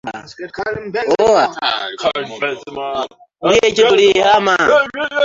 Leo ni siku ya ijumaa.